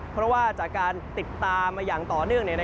เพราะว่าจากการติดตามมาอย่างต่อเนื่อง